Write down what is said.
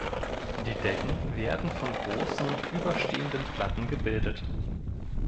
Die Decken werden von großen überstehenden Platten gebildet.